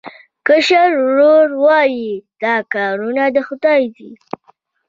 کشر ورور وویل دا کارونه د خدای دي.